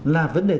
là vấn đề thứ hai